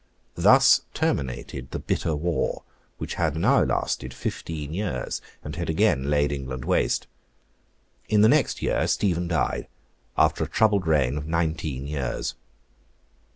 Thus terminated the bitter war, which had now lasted fifteen years, and had again laid England waste. In the next year Stephen died, after a troubled reign of nineteen years.